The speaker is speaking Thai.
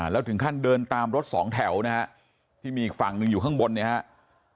แล้วถึงขั้นเดินตามรถสองแถวนะฮะที่มีอีกฝั่งหนึ่งอยู่ข้างบนเนี่ยครับ